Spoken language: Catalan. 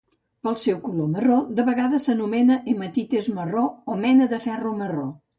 Pel seu color marró, de vegades s'anomena hematites marró o mena de ferro marró.